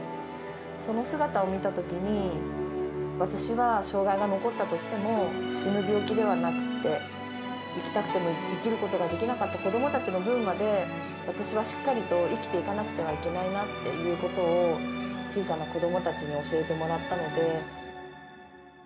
その姿を見たときに、私は障がいが残ったとしても、死ぬ病気ではなくて、生きたくても生きることができなかった子どもたちの分まで、私はしっかりと生きていかなくてはいけないなっていうことを、小さな子どもたちに教えてもらったので。